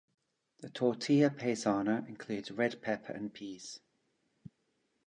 The "tortilla paisana" includes red pepper and peas.